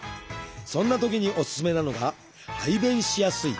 そんなときにおすすめなのが排便しやすい体勢。